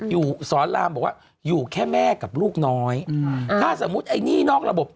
อยู่สอนรามบอกว่าอยู่แค่แม่กับลูกน้อยอืมถ้าสมมุติไอ้หนี้นอกระบบ